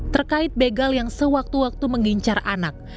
terkait begal yang sewaktu waktu mengincar anak